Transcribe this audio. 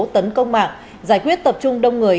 tấn công mạng giải quyết tập trung đông người